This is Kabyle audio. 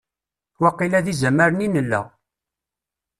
Waqila d izamaren i nella.